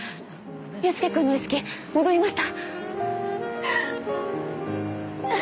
祐介くんの意識戻りました。